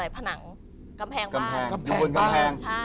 พนังกำแพงบ้าง